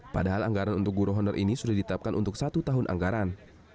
padahal anggaran untuk guru honor ini sudah ditetapkan untuk satu tahun anggaran